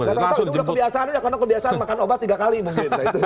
gak tau gak tau itu udah kebiasaan aja karena kebiasaan makan obat tiga kali mungkin